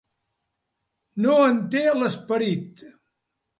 No en té l'esperit.